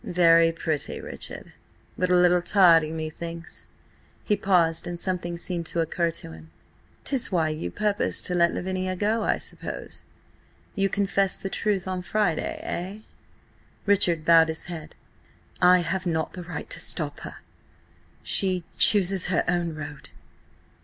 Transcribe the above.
"Very pretty, Richard, but a little tardy, methinks." He paused, and something seemed to occur to him. "'Tis why you purpose to let Lavinia go, I suppose? You confess the truth on Friday–eh?" Richard bowed his head. "I have not the right to stop her. She–chooses her own road."